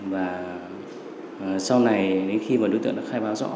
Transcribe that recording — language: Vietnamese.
và sau này đến khi mà đối tượng đã khai báo rõ